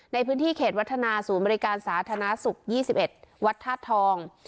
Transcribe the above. ในพื้นที่เขตวัฒนาศูนย์บริการสาธารณสุข๒๑วัดธาตุทอง